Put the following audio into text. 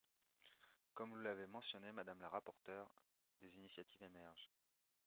Comme vous l’avez mentionné, madame la rapporteure, des initiatives émergent.